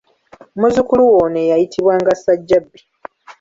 Muzzukulu we ono eyayitibwanga Ssajjabbi.